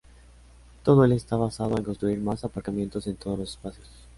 todo él está basado en construir más aparcamientos en todos los espacios